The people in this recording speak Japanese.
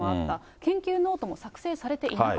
研究ノートも作成されていなかっ